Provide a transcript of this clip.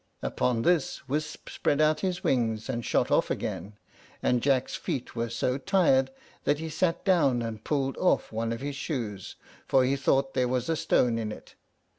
Upon this Wisp spread out his wings, and shot off again; and Jack's feet were so tired that he sat down, and pulled off one of his shoes, for he thought there was a stone in it.